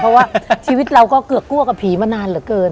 เพราะว่าชีวิตเราก็เกือกกลัวกับผีมานานเหลือเกิน